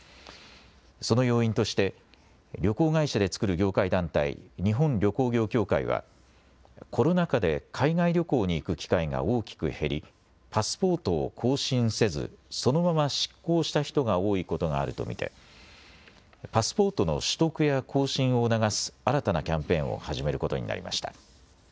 その要因として旅行会社で作る業界団体、日本旅行業協会はコロナ禍で海外旅行に行く機会が大きく減りパスポートを更新せずそのまま失効した人が多いことがあると見てパスポートの取得や更新を促す新たなキャンペーンを始めることになりました。